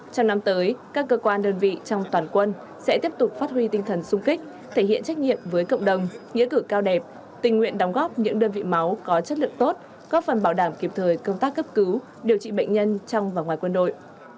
trong năm tới các cơ quan đơn vị trong toàn quân sẽ tiếp tục phát huy tinh thần sung kích thể hiện trách nhiệm với cộng đồng nghĩa cử cao đẹp tình nguyện đóng góp những đơn vị máu có chất lượng tốt góp phần bảo đảm kịp thời công tác cấp cứu điều trị bệnh nhân trong và ngoài quân đội